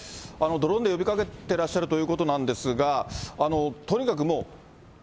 ドローンで呼びかけてらっしゃるということなんですが、とにかく